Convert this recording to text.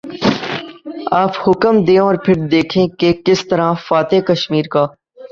آپ حکم دیں اور پھر دیکھیں کہ کس طرح فاتح کشمیر کا